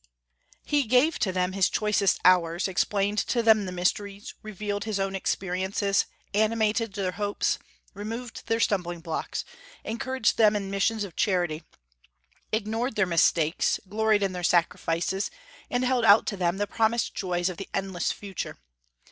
He gave to them his choicest hours, explained to them the mysteries, revealed his own experiences, animated their hopes, removed their stumbling blocks, encouraged them in missions of charity, ignored their mistakes, gloried in their sacrifices, and held out to them the promised joys of the endless future.